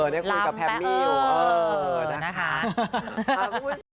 ได้คุยกับแทมมี่อยู่นะคะรำไปเออนะคะ